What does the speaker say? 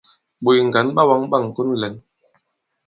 Ɓòt ŋgǎn ɓa wāŋ ɓâŋkon lɛ̂n.